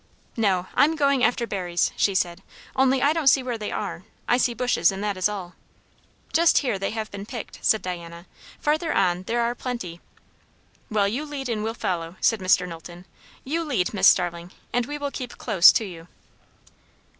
"No, I'm going after berries," she said. "Only, I don't see where they are. I see bushes, and that is all." "Just here they have been picked," said Diana. "Farther on there are plenty." "Well, you lead and we'll follow," said Mr. Knowlton. "You lead, Miss Starling, and we will keep close to you."